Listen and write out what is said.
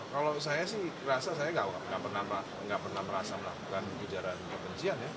kalau saya sih rasa saya nggak pernah merasa melakukan ujaran kebencian ya